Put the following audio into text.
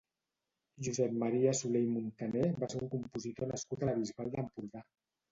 Josep Maria Soler i Montaner va ser un compositor nascut a la Bisbal d'Empordà.